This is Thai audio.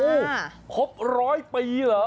อู้ครบ๑๐๐ปีเหรอ